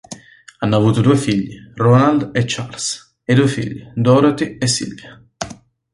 Hanno avuto due figli, Ronald e Charles, e due figlie, Dorothy e Sylvia.